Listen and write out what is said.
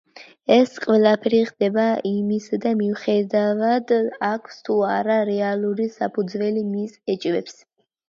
ეს ყველაფერი ხდება იმისდა მიუხედავად, აქვს თუ არა რეალური საფუძველი მის ეჭვებს.